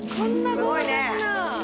すごいね。